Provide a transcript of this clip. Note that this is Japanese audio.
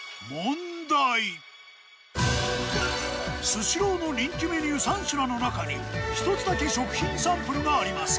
スシローの人気メニュー３品の中に１つだけ食品サンプルがあります。